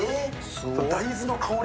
大豆の香り？